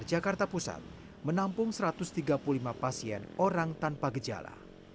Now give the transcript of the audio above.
jakarta pusat menampung satu ratus tiga puluh lima pasien orang tanpa gejala